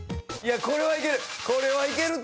これはいけるって！